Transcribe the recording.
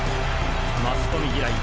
マスコミ嫌い